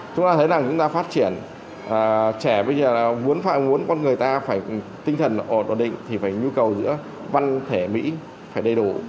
chúng ta thấy rằng chúng ta phát triển trẻ bây giờ là muốn phải muốn con người ta phải tinh thần ổn định thì phải nhu cầu giữa văn thể mỹ phải đầy đủ